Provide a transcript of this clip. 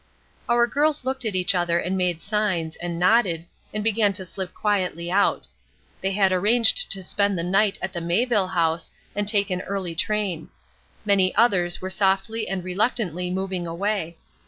Our girls looked at each other and made signs, and nodded, and began to slip quietly out. They had arranged to spend the night at the Mayville House, and take an early train. Many others were softly and reluctantly moving away.